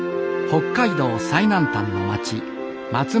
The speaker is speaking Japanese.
北海道最南端の町松前町。